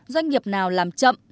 doanh nghiệp nào làm chậm